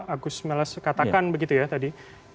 agus melas katakan begitu ya tadi